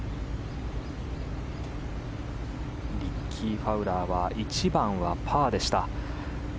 リッキー・ファウラーは１番はパーでした。